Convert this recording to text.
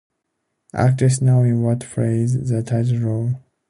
Actress Naomi Watts plays the title role.